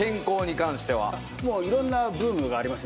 いろんなブームがあります